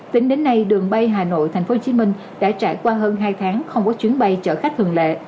tính đến nay đường bay hà nội tp hcm đã trải qua hơn hai tháng không có chuyến bay chở khách thường lệ